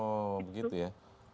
oh begitu ya